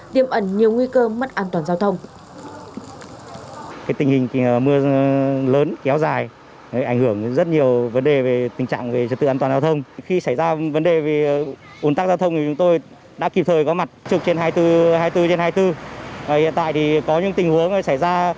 tiêm ẩn nhiều nguy cơ mất an toàn giao thông